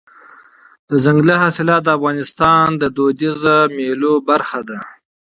دځنګل حاصلات د افغانستان د فرهنګي فستیوالونو برخه ده.